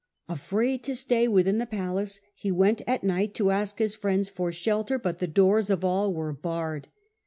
Afraid to stay within the palace, he went at night to ask his friends for shelter; but the doors of all were barred.